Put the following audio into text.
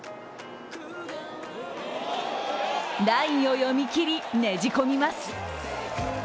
ラインを読み切り、ねじ込みます。